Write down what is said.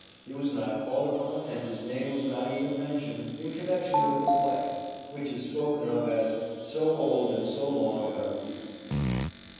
He was not called upon, and his name was not even mentioned in connection with the play, which is spoken of as " so old and so long out of use."